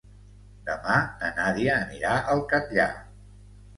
Demà na Nàdia anirà al Catllar.